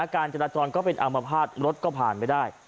การจราจรก็เป็นอามภาษณ์รถก็ผ่านไม่ได้